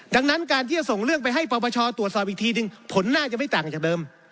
ดังนั้นการที่จะส่งเรื่องไปให้ปปชตรวจสอบอีกทีหนึ่งผลน่าจะไม่ต่างจากเดิม